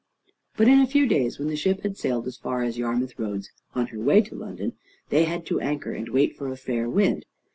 But in a few days, when the ship had sailed as far as Yarmouth Roads on her way to London, they had to anchor, and wait for a fair wind.